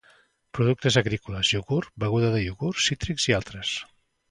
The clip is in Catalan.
Productes agrícoles, iogurt, beguda de iogurt, cítrics i altres.